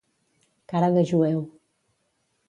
Cara de jueu.